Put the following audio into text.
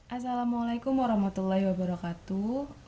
assalamu'alaikum warahmatullahi wabarakatuh